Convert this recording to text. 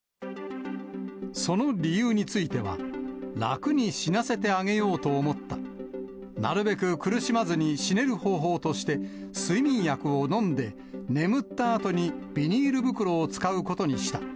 その理由については、楽に死なせてあげようと思った、なるべく苦しまずに死ねる方法として、睡眠薬を飲んで、眠ったあとにビニール袋を使うことにした。